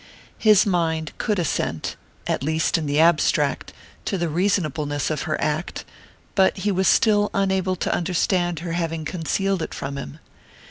His mind could assent at least in the abstract to the reasonableness of her act; but he was still unable to understand her having concealed it from him.